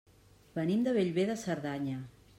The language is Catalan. Venim de Bellver de Cerdanya.